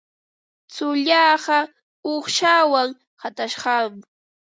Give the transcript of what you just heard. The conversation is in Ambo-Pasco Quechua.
Tsullaaqa uuqshawan qatashqam.